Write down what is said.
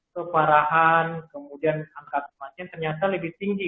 keparahan kemudian angka kematian ternyata lebih tinggi